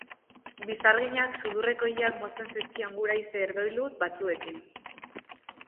Bizarginak sudurreko ileak mozten zizkion guraize herdoildu batzuekin.